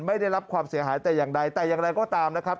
ได้รับความเสียหายแต่อย่างใดแต่อย่างไรก็ตามนะครับ